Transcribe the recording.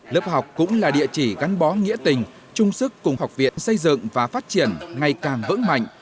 lớp học cũng là địa chỉ gắn bó nghĩa tình chung sức cùng học viện xây dựng và phát triển ngày càng vững mạnh